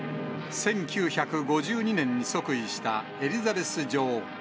１９５２年に即位した、エリザベス女王。